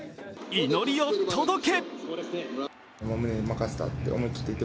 祈りよ、届け！